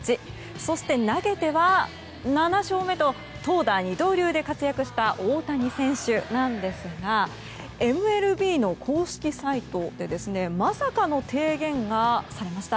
そして、投げては７勝目と投打二刀流で活躍した大谷選手なんですがＭＬＢの公式サイトでまさかの提言がされました。